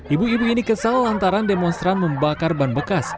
ibu ibu ini kesal lantaran demonstran membakar ban bekas